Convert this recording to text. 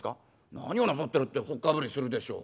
「何をなさってるってほっかむりするでしょう。